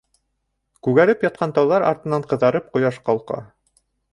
Күгәреп ятҡан тауҙар артынан ҡыҙарып ҡояш ҡалҡа.